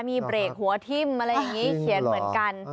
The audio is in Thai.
มีเบรกหัวทิ่มอะไรอย่างนี้เขียนเหมือนกัน